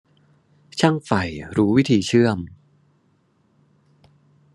ช่างไฟรู้วิธีเชื่อม